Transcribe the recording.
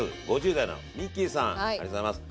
ありがとうございます。